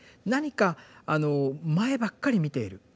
何か前ばっかり見ている。